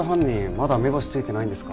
まだ目星ついてないんですか？